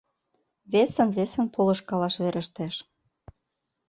Весын-весын полышкалаш верештеш.